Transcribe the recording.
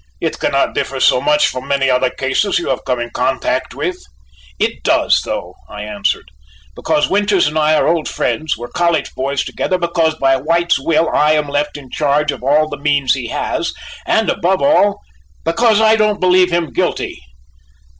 It cannot differ so much from many other cases you have come in contact with." "It does, though," I answered, "because Winters and I are old friends, were college boys together, because by White's will I am left in charge of all the means he has, and above all, because I don't believe him guilty."